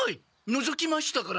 のぞきましたから。